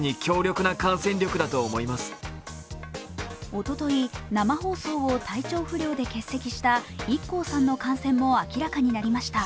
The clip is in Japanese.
おととい、生放送を体調不良で欠席したＩＫＫＯさんの感染も明らかになりました。